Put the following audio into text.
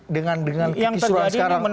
dengan kekisuan sekarang